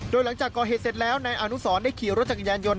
โดยหลังจากก่อเหตุเสร็จแล้วนายอนุสรได้ขี่รถจักรยานยนต